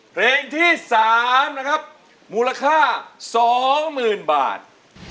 เพลงที่๓นะครับมูลค่า๒๐๐๐บาท